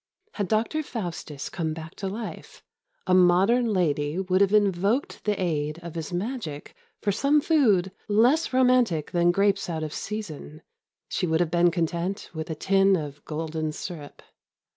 Had Dr Faustus come back to life a modern lady would have invoked the aid of his magic for some food less romantic than grapes out of season: she would have been content with a tin of golden syrup.